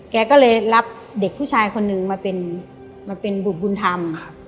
แกก็เลยรับเด็กผู้ชายคนนึงมาเป็นบุตรบุญธรรม